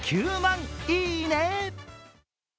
９万いいね。